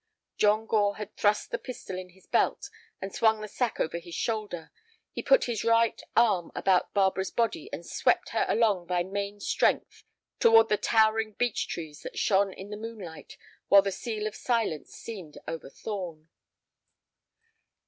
John Gore had thrust the pistol in his belt and swung the sack over his left shoulder. He put his right arm about Barbara's body and swept her along by main strength toward the towering beech trees that shone in the moonlight while the seal of silence seemed over Thorn.